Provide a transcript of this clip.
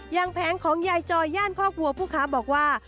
แผงของยายจอยย่านครอบครัวผู้ค้าบอกว่า